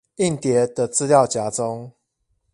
硬碟的資料夾中